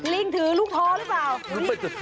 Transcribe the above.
ลิงถือลูกท้อหรือเปล่า